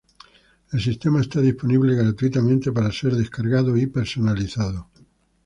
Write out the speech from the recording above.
El sistema está disponible gratuitamente pare ser descargado y personalizado.